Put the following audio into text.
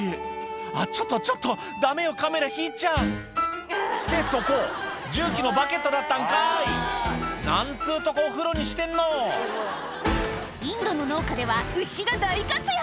「あっちょっとちょっとダメよカメラ引いちゃ！」ってそこ重機のバケットだったんかい何つうとこお風呂にしてんのインドの農家では牛が大活躍！